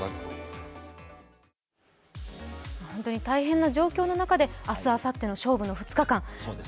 大変な状況の中で、明日、あさっての勝負の２日間。